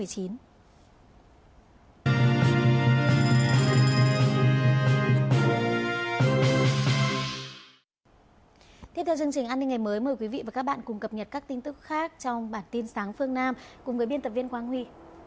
tiếp theo chương trình an ninh ngày mới mời quý vị và các bạn cùng cập nhật các tin tức khác trong bản tin sáng phương nam cùng với biên tập viên quang huy